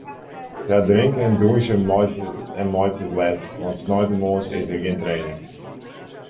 Hja drinke en dûnsje en meitsje it let, want sneintemoarns is der gjin training.